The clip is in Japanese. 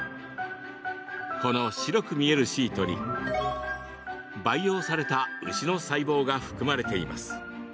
この白く見えるシートに培養された牛の細胞が含まれています。